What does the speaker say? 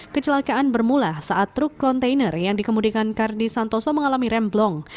kecelakaan bermula saat truk kontainer yang dikemudikan kardi santoso mengalami remblong